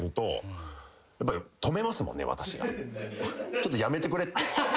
ちょっとやめてくれ。